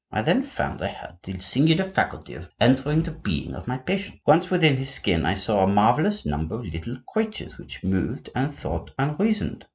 I then found I had the singular faculty of entering the being of my patient. Once within his skin I saw a marvellous number of little creatures which moved, and thought, and reasoned.